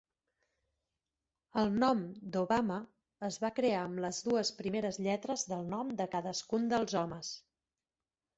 El nom Dobama es va crear amb les dues primeres lletres del nom de cadascun dels homes.